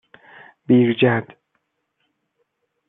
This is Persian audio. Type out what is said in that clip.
بیرجند